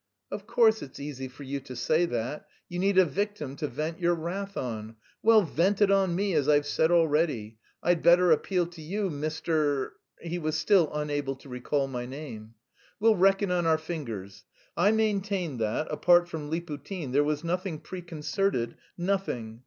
"Of course it's easy for you to say that. You need a victim to vent your wrath on. Well, vent it on me as I've said already. I'd better appeal to you, Mr...." (He was still unable to recall my name.) "We'll reckon on our fingers. I maintain that, apart from Liputin, there was nothing preconcerted, nothing!